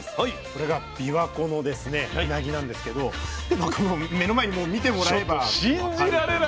これがびわ湖のうなぎなんですけどこの目の前の見てもらえれば。